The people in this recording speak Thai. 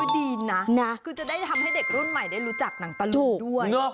ดีนะคือจะได้ทำให้เด็กรุ่นใหม่ได้รู้จักหนังตะลุงด้วย